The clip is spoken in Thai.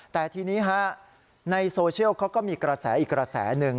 แต่ทีนี้ฮะในโซเชียลเขาก็มีกระแสอีกกระแสหนึ่ง